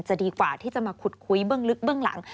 จะดีกว่าที่จะมาคุดคุยเบื้องหลัง